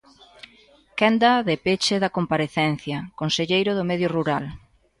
Quenda de peche da comparecencia, conselleiro do Medio Rural.